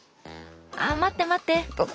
あ待って待って！